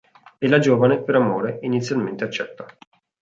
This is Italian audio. E la giovane, per amore, inizialmente accetta.